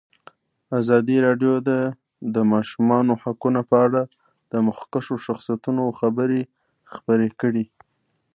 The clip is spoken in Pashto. ازادي راډیو د د ماشومانو حقونه په اړه د مخکښو شخصیتونو خبرې خپرې کړي.